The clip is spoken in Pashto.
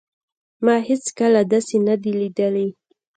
ما هیڅکله داسې څه نه دي لیدلي